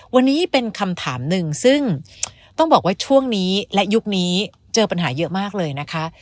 วันนี้เป็นคำถามหนึ่งซึ่งต้องบอกว่าช่วงนี้และยุคนี้เจอปัญหาเยอะมากเลยนะคะ